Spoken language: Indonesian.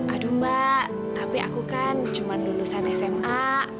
aduh mbak tapi aku kan cuma lulusan sma